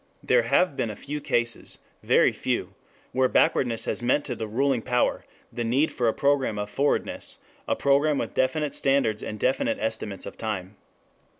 There have been a few cases, very few, where backwardness has meant to the ruling power the need for a program of forwardness, a program with definite standards and definite estimates of time.